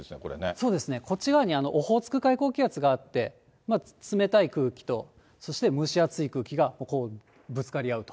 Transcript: そうですね、こっち側にオホーツク海高気圧があって、この冷たい空気とそして蒸し暑い空気がぶつかり合うと。